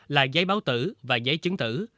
là giấy báo tử và giấy chứng tử